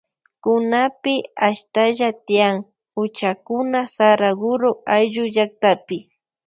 Kunapi ashtalla tiyan huchakuna Saraguroayllu llaktapi.